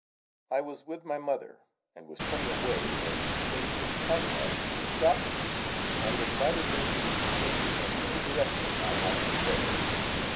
I was with my mother, and was turning away when the Queen was kind enough to stop me, and invited me to continue in any direction I might prefer.